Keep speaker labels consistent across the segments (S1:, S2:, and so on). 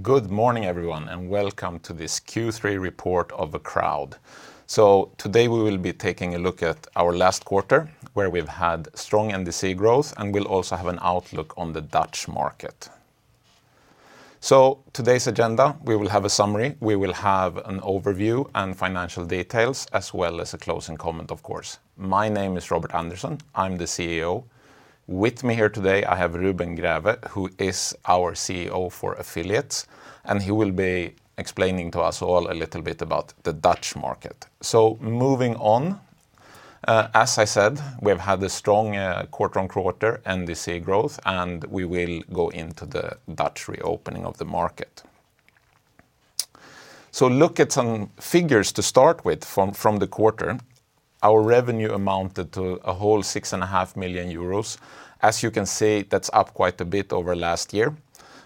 S1: Good morning, everyone, and welcome to this Q3 report of Acroud. Today we will be taking a look at our last quarter where we've had strong NDC growth and we'll also have an outlook on the Dutch market. Today's agenda, we will have a summary, we will have an overview and financial details as well as a closing comment of course. My name is Robert Andersson, I'm the CEO. With me here today I have Ruben Gräve, who is our CEO for affiliates, and he will be explaining to us all a little bit about the Dutch market. Moving on, as I said, we've had a strong quarter-over-quarter NDC growth, and we will go into the Dutch reopening of the market. Look at some figures to start with from the quarter. Our revenue amounted to a whole 6.5 million euros. As you can see, that's up quite a bit over last year.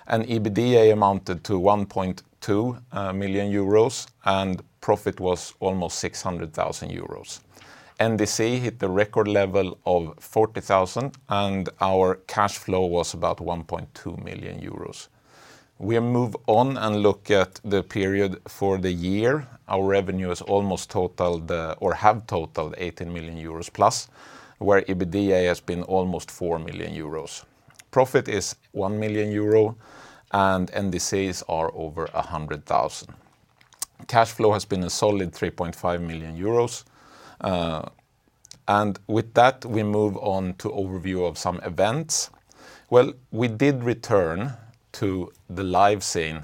S1: EBITDA amounted to 1.2 million euros, and profit was almost 600,000 euros. NDC hit the record level of 40,000, and our cash flow was about 1.2 million euros. We move on and look at the period for the year. Our revenue has totaled almost 18 million euros, where EBITDA has been almost 4 million euros. Profit is 1 million euro and NDCs are over 100,000. Cash flow has been a solid 3.5 million euros. With that we move on to overview of some events. We did return to the live scene.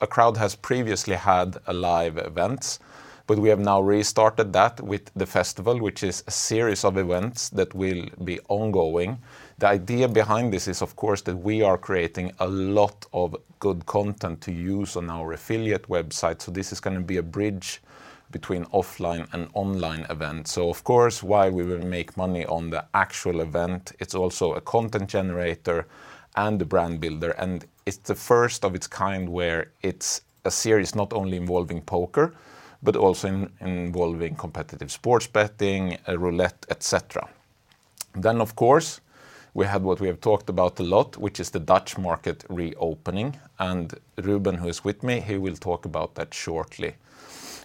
S1: Acroud has previously had live events, but we have now restarted that with The Festival, which is a series of events that will be ongoing. The idea behind this is of course that we are creating a lot of good content to use on our affiliate website. This is gonna be a bridge between offline and online events. Of course, while we will make money on the actual event, it's also a content generator and a brand builder, and it's the first of its kind where it's a series not only involving poker, but also involving competitive sports betting, roulette, et cetera. We have what we have talked about a lot, which is the Dutch market reopening, and Ruben, who is with me, he will talk about that shortly.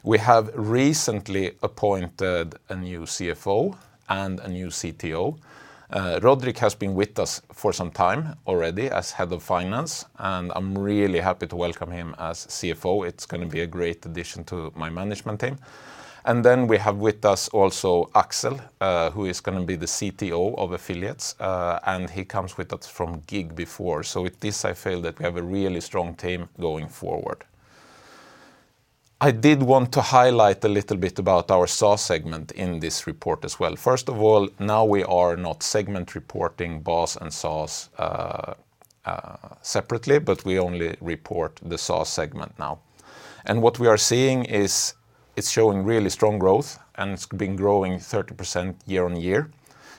S1: We have recently appointed a new CFO and a new CTO. Roderick has been with us for some time already as head of finance, and I'm really happy to welcome him as CFO. It's gonna be a great addition to my management team. We have with us also Axel, who is gonna be the CTO of affiliates, and he comes with us from GiG before. With this I feel that we have a really strong team going forward. I did want to highlight a little bit about our SaaS segment in this report as well. First of all, now we are not segment reporting BaaS and SaaS separately, but we only report the SaaS segment now. What we are seeing is it's showing really strong growth, and it's been growing 30% year-on-year,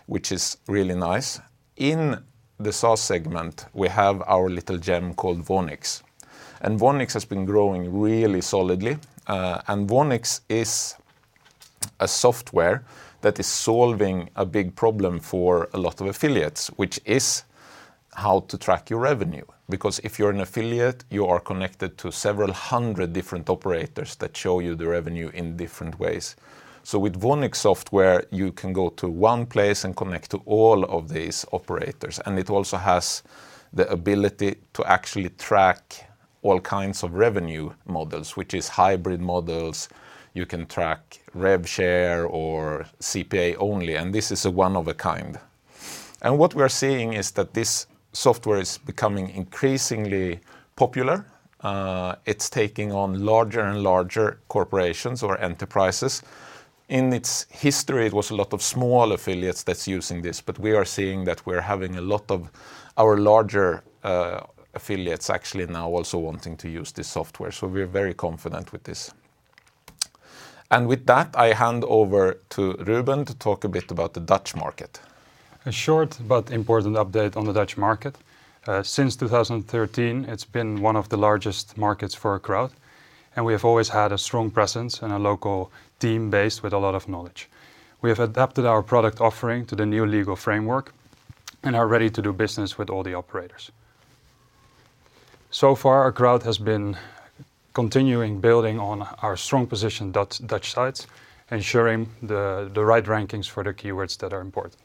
S1: which is really nice. In the SaaS segment, we have our little gem called Voonix. Voonix has been growing really solidly. Voonix is a software that is solving a big problem for a lot of affiliates, which is how to track your revenue. Because if you're an affiliate, you are connected to several hundred different operators that show you the revenue in different ways. With Voonix software, you can go to one place and connect to all of these operators, and it also has the ability to actually track all kinds of revenue models, which is hybrid models, you can track rev share or CPA only, and this is a one of a kind. What we are seeing is that this software is becoming increasingly popular. It's taking on larger and larger corporations or enterprises. In its history, it was a lot of small affiliates that's using this, but we are seeing that we're having a lot of our larger affiliates actually now also wanting to use this software, so we're very confident with this. With that, I hand over to Ruben to talk a bit about the Dutch market.
S2: A short but important update on the Dutch market. Since 2013, it's been one of the largest markets for Acroud, and we have always had a strong presence and a local team base with a lot of knowledge. We have adapted our product offering to the new legal framework and are ready to do business with all the operators. So far, Acroud has been continuing building on our strong position in Dutch sites, ensuring the right rankings for the keywords that are important.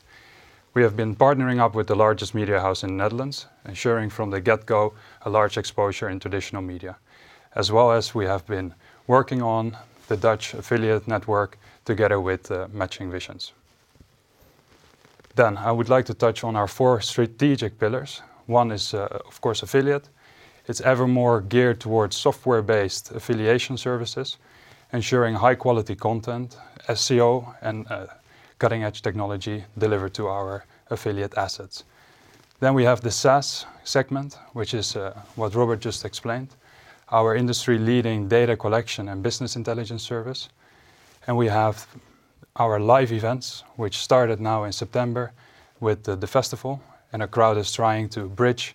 S2: We have been partnering up with the largest media house in the Netherlands, ensuring from the get-go a large exposure in traditional media, as well as we have been working on the Dutch affiliate network together with Matching Visions. I would like to touch on our four strategic pillars. One is, of course, affiliate. It's ever more geared towards software-based affiliation services, ensuring high-quality content, SEO and cutting-edge technology delivered to our affiliate assets. We have the SaaS segment, which is what Robert just explained, our industry-leading data collection and business intelligence service. We have our live events, which started now in September with The Festival, and Acroud is trying to bridge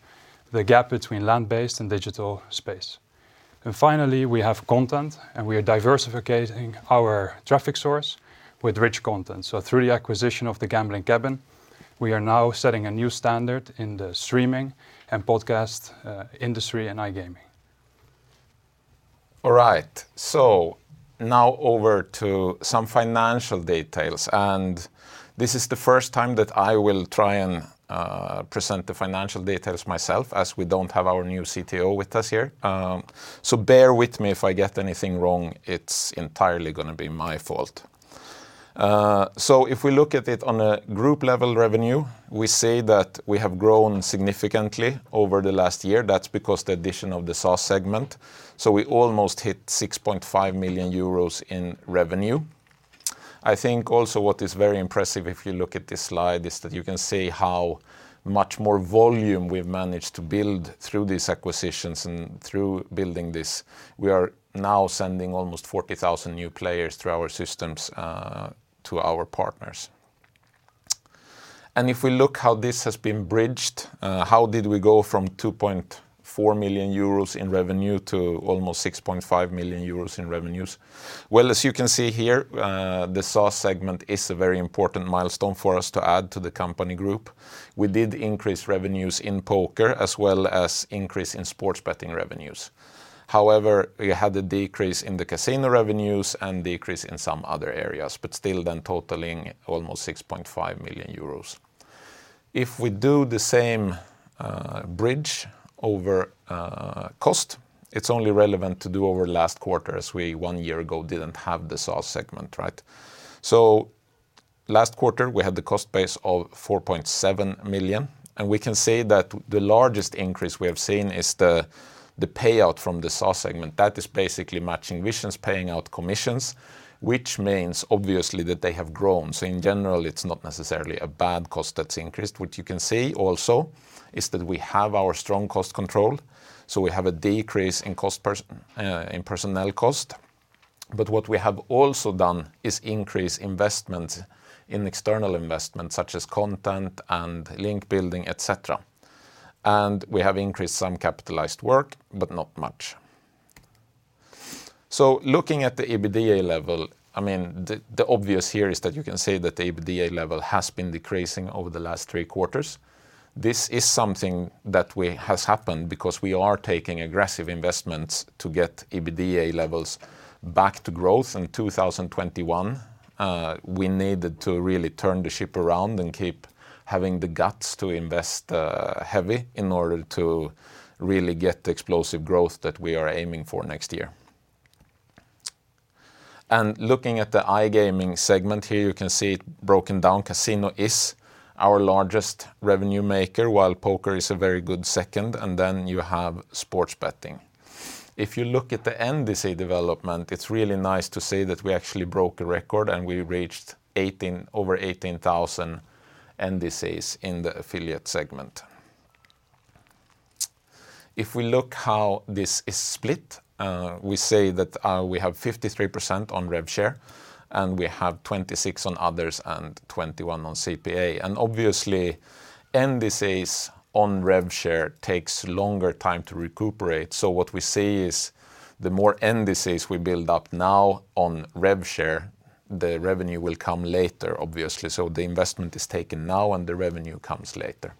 S2: the gap between land-based and digital space. Finally, we have content, and we are diversifying our traffic source with rich content. Through the acquisition of The Gambling Cabin, we are now setting a new standard in the streaming and podcast industry and iGaming.
S1: All right. Now over to some financial details, and this is the first time that I will try and present the financial details myself as we don't have our new CTO with us here. Bear with me if I get anything wrong, it's entirely gonna be my fault. If we look at it on a group level revenue, we say that we have grown significantly over the last year. That's because the addition of the SaaS segment, so we almost hit 6.5 million euros in revenue. I think also what is very impressive if you look at this slide is that you can see how much more volume we've managed to build through these acquisitions and through building this. We are now sending almost 40,000 new players through our systems to our partners. If we look how this has been bridged, how did we go from 2.4 million euros in revenue to almost 6.5 million euros in revenues? Well, as you can see here, the SaaS segment is a very important milestone for us to add to the company group. We did increase revenues in poker as well as increase in sports betting revenues. However, we had a decrease in the casino revenues and decrease in some other areas, but still then totaling almost 6.5 million euros. If we do the same bridge over cost, it's only relevant to do over last quarter as we one year ago didn't have the SaaS segment, right? Last quarter, we had the cost base of 4.7 million, and we can say that the largest increase we have seen is the payout from the SaaS segment. That is basically Matching Visions, paying out commissions, which means obviously that they have grown. In general, it's not necessarily a bad cost that's increased. What you can see also is that we have our strong cost control, so we have a decrease in personnel cost. What we have also done is increase investment in external investment such as content and link building, et cetera. We have increased some capitalized work, but not much. Looking at the EBITDA level, I mean, the obvious here is that you can say that the EBITDA level has been decreasing over the last three quarters. This is something that has happened because we are taking aggressive investments to get EBITDA levels back to growth in 2021. We needed to really turn the ship around and keep having the guts to invest heavy in order to really get the explosive growth that we are aiming for next year. Looking at the iGaming segment here, you can see it broken down. Casino is our largest revenue maker, while poker is a very good second, and then you have sports betting. If you look at the NDC development, it's really nice to say that we actually broke a record, and we reached over 18,000 NDCs in the affiliate segment. If we look how this is split, we say that we have 53% on rev share, and we have 26% on others and 21% on CPA. Obviously NDCs on rev share takes longer time to recuperate. What we see is the more NDCs we build up now on rev share, the revenue will come later, obviously. The investment is taken now, and the revenue comes later.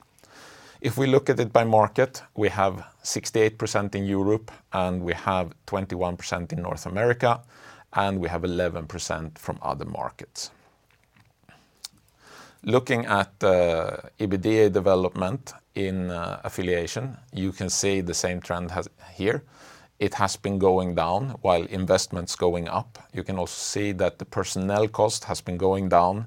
S1: If we look at it by market, we have 68% in Europe, and we have 21% in North America, and we have 11% from other markets. Looking at EBITDA development in affiliation, you can see the same trend as here. It has been going down while investment's going up. You can also see that the personnel cost has been going down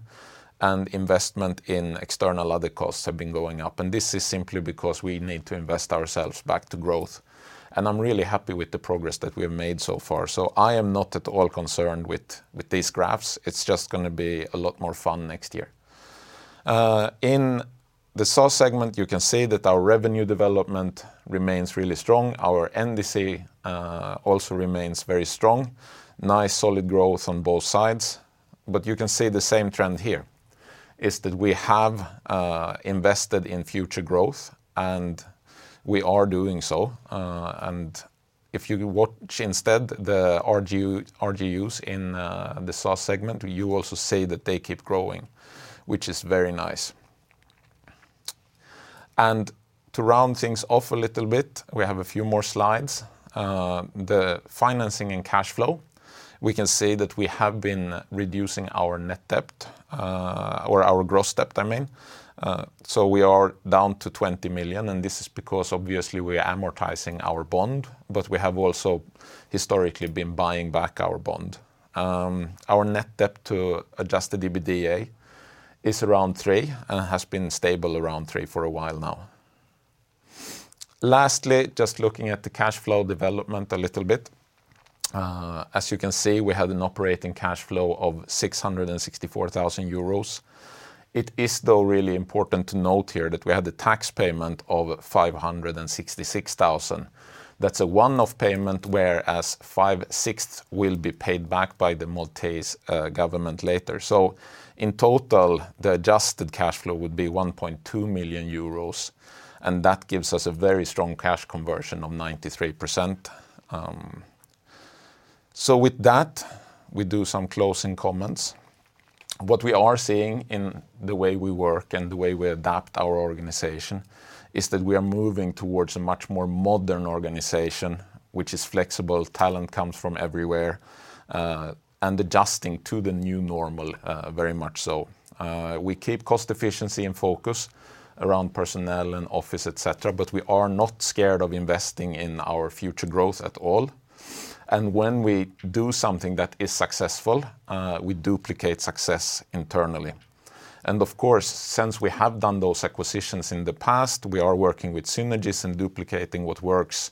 S1: and investment in external other costs have been going up. This is simply because we need to invest ourselves back to growth. I'm really happy with the progress that we have made so far. I am not at all concerned with these graphs. It's just gonna be a lot more fun next year. In the SaaS segment, you can see that our revenue development remains really strong. Our NDC also remains very strong. Nice solid growth on both sides. You can see the same trend here, is that we have invested in future growth, and we are doing so. If you watch instead the RGUs in the SaaS segment, you also see that they keep growing, which is very nice. To round things off a little bit, we have a few more slides. The financing and cash flow, we can see that we have been reducing our net debt, or our gross debt, I mean. We are down to 20 million, and this is because obviously we are amortizing our bond, but we have also historically been buying back our bond. Our net debt to adjusted EBITDA is around three and has been stable around three for a while now. Lastly, just looking at the cash flow development a little bit. As you can see, we have an operating cash flow of 664,000 euros. It is though really important to note here that we had a tax payment of 566,000. That's a one-off payment, whereas five-sixths will be paid back by the Maltese government later. In total, the adjusted cash flow would be 1.2 million euros, and that gives us a very strong cash conversion of 93%. With that, we do some closing comments. What we are seeing in the way we work and the way we adapt our organization is that we are moving towards a much more modern organization, which is flexible, talent comes from everywhere, and adjusting to the new normal, very much so. We keep cost efficiency and focus around personnel and office, etc., but we are not scared of investing in our future growth at all. When we do something that is successful, we duplicate success internally. Of course, since we have done those acquisitions in the past, we are working with synergies and duplicating what works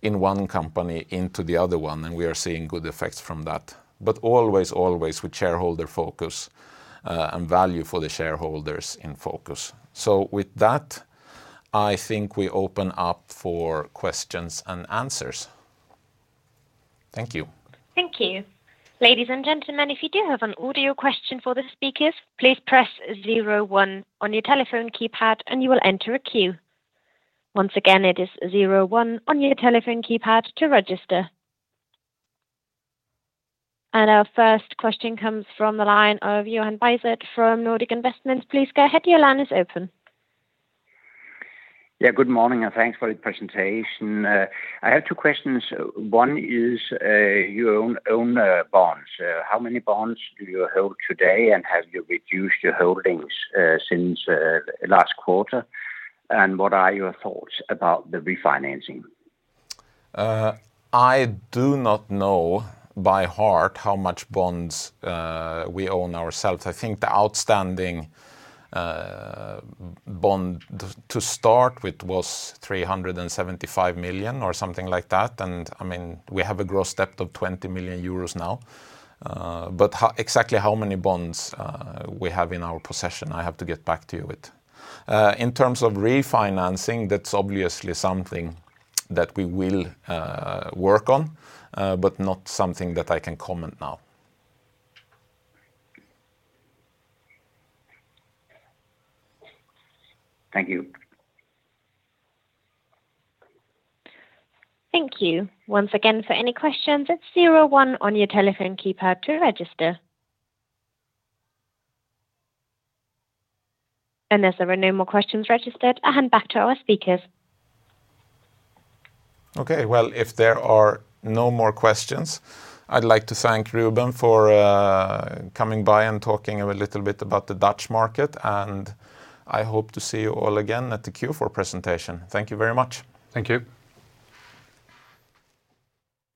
S1: in one company into the other one, and we are seeing good effects from that. Always with shareholder focus, and value for the shareholders in focus. With that, I think we open up for questions and answers. Thank you.
S3: Thank you. Ladies and gentlemen, if you do have an audio question for the speakers, please press zero one on your telephone keypad, and you will enter a queue. Once again, it is zero one on your telephone keypad to register. Our first question comes from the line of Johan Beisset from Nordic Investments. Please go ahead, your line is open.
S4: Yeah, good morning, and thanks for the presentation. I have two questions. One is your own bonds. How many bonds do you hold today, and have you reduced your holdings since last quarter? What are your thoughts about the refinancing?
S1: I do not know by heart how much bonds we own ourselves. I think the outstanding bond to start with was 375 million or something like that. I mean, we have a gross debt of 20 million euros now. Exactly how many bonds we have in our possession, I have to get back to you with. In terms of refinancing, that's obviously something that we will work on, but not something that I can comment now.
S4: Thank you.
S3: Thank you. Once again, for any questions, it's 01 on your telephone keypad to register. As there are no more questions registered, I hand back to our speakers.
S1: Okay. Well, if there are no more questions, I'd like to thank Ruben for coming by and talking a little bit about the Dutch market, and I hope to see you all again at the Q4 presentation. Thank you very much.
S3: Thank you.